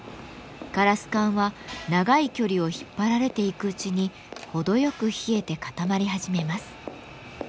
ガラス管は長い距離を引っ張られていくうちに程よく冷えて固まり始めます。